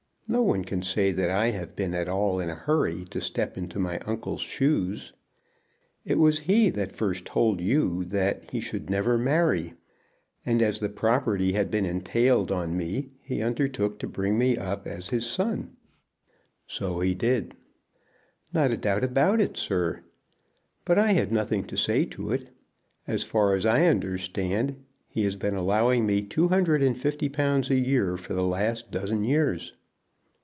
No one can say that I have been at all in a hurry to step into my uncle's shoes. It was he that first told you that he should never marry, and as the property had been entailed on me, he undertook to bring me up as his son." "So he did." "Not a doubt about it, sir. But I had nothing to say to it. As far as I understand, he has been allowing me two hundred and fifty pounds a year for the last dozen years."